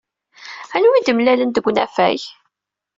Anwa ay d-mlalent deg unafag?